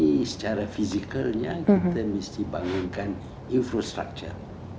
jadi secara fisikalnya kita mesti bangunkan infrastruktur